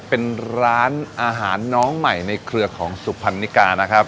เป็นร้านอาหารน้องใหม่ในเครือของสุพรรณิกานะครับ